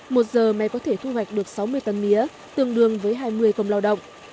một giờ máy có thể thu hoạch được sáu mươi tấn mía tương đương với hai mươi công lao động